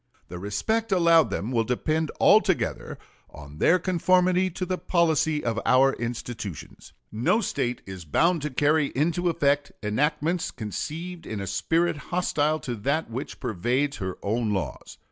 The respect allowed them will depend altogether on their conformity to the policy of our institutions. No State is bound to carry into effect enactments conceived in a spirit hostile to that which pervades her own laws....